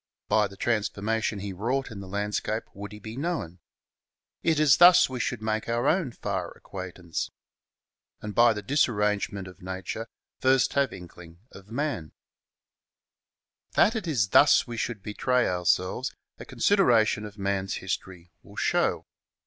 By the transformation he wrought in the landscape would he be known. It is thus we should make our own far acquaintance; and by the disarrangement of nature first have inkling of man. 362 MARS AND ITS CANALS CHAP, That it is thus we should betray ourselves, a consider ation of man's history will show.